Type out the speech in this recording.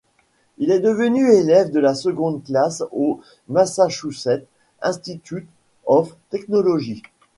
Il est devenu élève de la seconde classe au Massachusetts Institute of Technology.